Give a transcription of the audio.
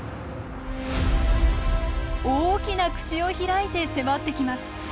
大きな口を開いて迫ってきます。